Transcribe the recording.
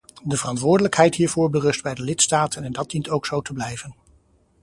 De verantwoordelijkheid hiervoor berust bij de lidstaten en dat dient ook zo te blijven.